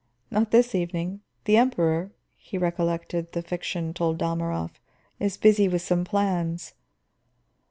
"Not this evening; the Emperor," he recollected the fiction told Dalmorov, "the Emperor is busy with some plans."